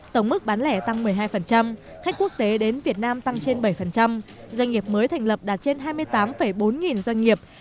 tổng mức bán lẻ tăng một mươi hai khách quốc tế đến việt nam tăng trên bảy doanh nghiệp mới thành lập đạt trên hai mươi tám bốn nghìn doanh nghiệp